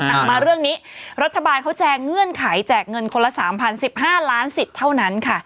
มาเรื่องนี้รัฐบาลเขาแจงเงื่อนไขแจกเงินคนละ๓๐๑๕ล้านสิทธิ์เท่านั้นค่ะ